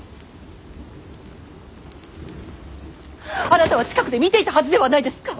あなたは近くで見ていたはずではないですか！